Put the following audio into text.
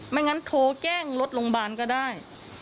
ไม่งั้นโทรแจ้งรถโรงพยาบาลก็ได้